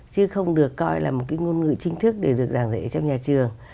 chứ không được coi là một cái ngôn ngữ chính thức để được giảng dạy trong nhà trường